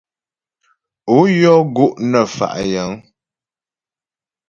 Ó yɔ́ gó' nə fa' yəŋ.